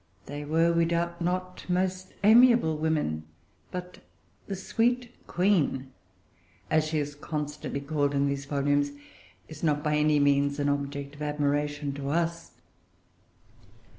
They were, we doubt not, most amiable women. But "the sweet Queen," as she is constantly called in these volumes, is not by any means an object of admiration to us.